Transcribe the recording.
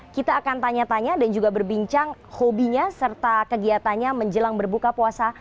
kita akan tanya tanya dan juga berbincang hobinya serta kegiatannya menjelang berbuka puasa